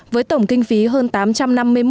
với tổng kinh phí hơn tám trăm linh năm